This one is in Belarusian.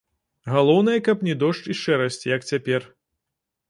Галоўнае, каб не дождж і шэрасць, як цяпер.